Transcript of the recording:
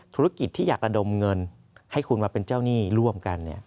ธุรกิจที่อยากระดมเงินให้คุณมาเป็นเจ้าหนี้ร่วมกัน